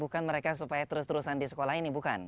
bukan mereka supaya terus terusan di sekolah ini bukan